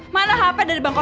mana hp dari bank or